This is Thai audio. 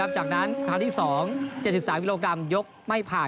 จากนั้นครั้งที่๒๗๓กิโลกรัมยกไม่ผ่าน